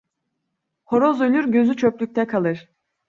Horoz ölür, gözü çöplükte kalır.